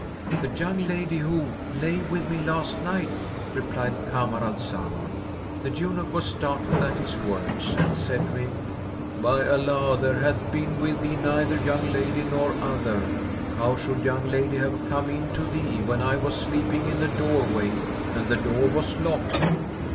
"The young lady who lay with me last night," replied Kamar al Zaman. The eunuch was startled at his words and said to him, "By Allah, there hath been with thee neither young lady nor other! How should young lady have come in to thee, when I was sleeping in the doorway and the door was locked?